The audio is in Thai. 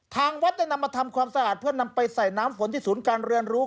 ทางวัดได้นำมาทำความสะอาดเพื่อนำไปใส่น้ำฝนที่ศูนย์การเรียนรู้